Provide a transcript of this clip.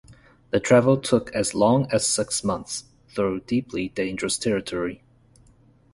The travel took as long as six months, through deeply dangerous territory.